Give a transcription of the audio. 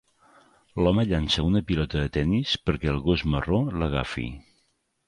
L'home llança una pilota de tennis perquè el gos marró l'agafi.